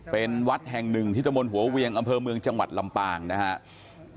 เป็นวัดแห่งหนึ่งที่ตะมนต์หัวเวียงอำเภอเมืองจังหวัดลำปางนะครับ